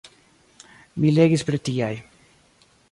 Mi legis pri tiaj.